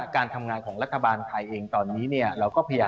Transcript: การทำงานของรัฐบาลไทยเองตอนนี้เนี่ย